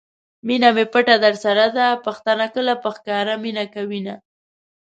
مینه می پټه درسره ده ؛ پښتانه کله په ښکاره مینه کوینه